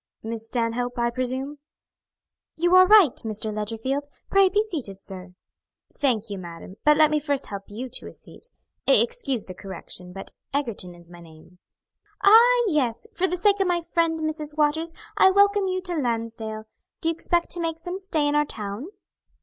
"Miss Stanhope, I presume?" "You are right, Mr. Ledgerfield. Pray be seated, sir." "Thank you, madam, but let me first help you to a seat. Excuse the correction, but Egerton is my name." "Ah, yes! For the sake of my friend, Mrs. Waters, I welcome you to Lansdale. Do you expect to make some stay in our town?"